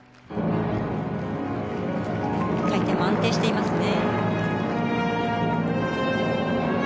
回転も安定していますね。